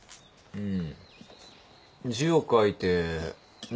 うん。